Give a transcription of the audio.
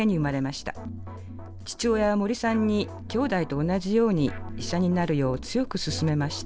父親は森さんにきょうだいと同じように医者になるよう強く勧めました。